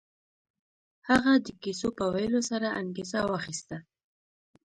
هغه د کيسو په ويلو سره انګېزه واخيسته.